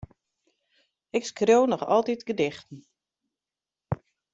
Ik skriuw noch altyd gedichten.